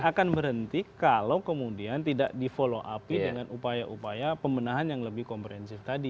akan berhenti kalau kemudian tidak di follow up dengan upaya upaya pembenahan yang lebih komprehensif tadi